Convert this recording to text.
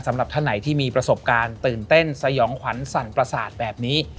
สำหรับท่านไหนที่มีประสบการณ์ตื่นเต้นสยองขวัญสั่นประสาทแบบนี้